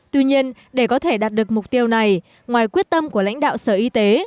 tuy nhiên để có thể đạt được mục tiêu này ngoài quyết tâm của lãnh đạo sở y tế